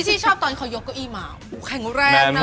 พี่ชิลชอบตอนขอยกก็อีหม่าวแข็งแรกนะ